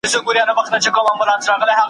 هسې مې په لپه کې ډيوه راوړې وه